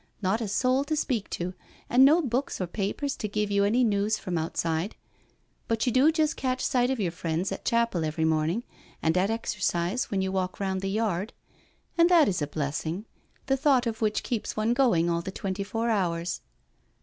Not a soul to speak to, and no books or papers to give you any news from outside. But you do just catch sight of your friends at chapel every morning and at exercise when you walk round the yard, and that is a blessing, the thought of which keeps one going all the twenty four hours."